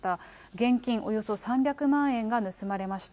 現金およそ３００万円が盗まれました。